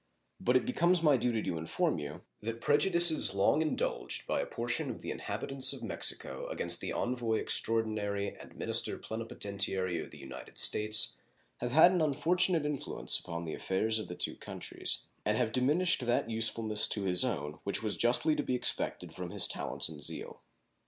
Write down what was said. But it becomes my duty to inform you that prejudices long indulged by a portion of the inhabitants of Mexico against the envoy extraordinary and minister plenipotentiary of the United States have had an unfortunate influence upon the affairs of the two countries, and have diminished that usefulness to his own which was justly to be expected from his talents and zeal.